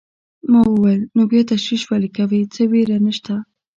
ما وویل: نو بیا تشویش ولې کوې، څه وېره نشته.